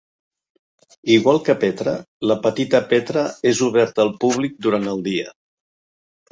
Igual que Petra, la Petita Petra és oberta al públic durant el dia.